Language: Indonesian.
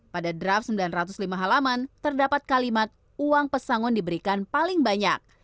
pada draft sembilan ratus lima halaman terdapat kalimat uang pesangon diberikan paling banyak